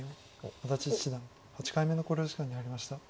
安達七段８回目の考慮時間に入りました。